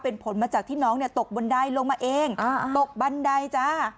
เป็นผลมาจากที่น้องเนี่ยตกบันไดลงมาเองตกบันไดจ้า